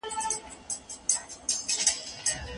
ښځي او د هغې کورنۍ ته پکار ده.